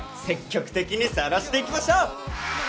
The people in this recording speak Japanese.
積極的にさらしていきましょう！